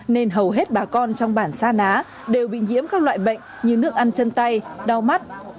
nên hầu hết bà con trong bản sa ná đều bị nhiễm các loại bệnh như nước ăn chân tay đau mắt